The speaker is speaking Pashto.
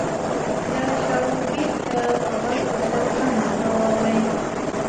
د شاړوبېک د غره په سر کنډو ته واوړې